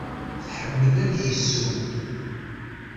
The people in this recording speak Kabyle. Tḥemmel ad yesseww?